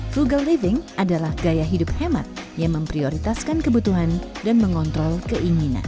frugal living adalah gaya hidup hemat yang memprioritaskan kebutuhan dan mengontrol keinginan